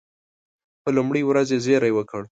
په لومړۍ ورځ یې زېری وکړ.